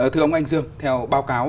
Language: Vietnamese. thưa ông anh dương theo báo cáo